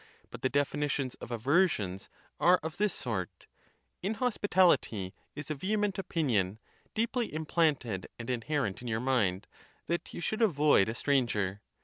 But the definitions of aver sions are of this sort: inhospitality is a vehement opinion, deeply implanted and inherent in your mind, that you should avoid a stranger.